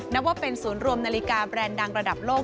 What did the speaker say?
นับว่าเป็นศูนย์รวมนาฬิกาแบรนด์ดังระดับโลก